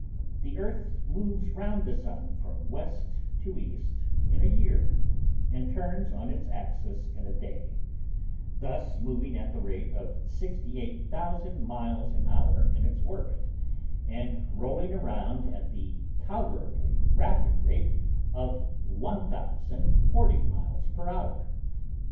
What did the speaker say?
The Earth moves round the Sun from west to east in a year, and turns on its axis in a day; thus moving at the rate of 68,000 miles an hour in its orbit, and rolling around at the tolerably rapid rate of 1,040 miles per hour.